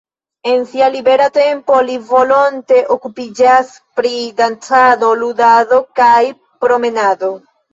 En sia libera tempo li volonte okupiĝas pri dancado, ludado kaj promenado.